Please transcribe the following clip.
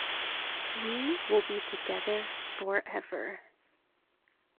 We will be together forever.